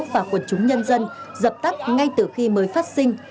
và quần chúng nhân dân dập tắt ngay từ khi mới phát sinh